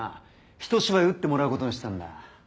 ひと芝居打ってもらうことにしたんだ。